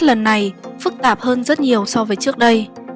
lần này phức tạp hơn rất nhiều so với trước đây